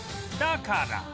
だから